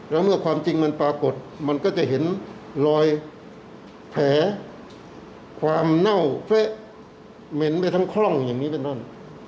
แล้วเมื่อความจริงมันปรากฏมันก็จะเห็นรอยแผลความเน่าเฟะเหม็นไปทั้งคล่องอย่างนี้เป็นต้น